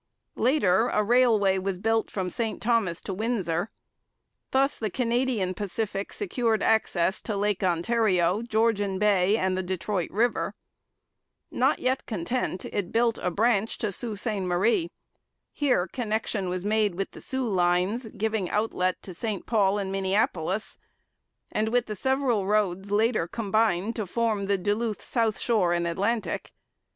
Later, a railway was built from St Thomas to Windsor. Thus the Canadian Pacific secured access to Lake Ontario, Georgian Bay, and the Detroit river. Not yet content, it built a branch to Sault Ste Marie. Here connection was made with the 'Soo' lines, giving outlet to St Paul and Minneapolis, and with the several roads later combined to form the Duluth, South Shore and Atlantic.